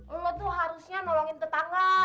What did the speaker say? mama tuh harusnya nolongin tetangga